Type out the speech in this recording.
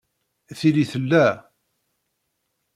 Tili tella.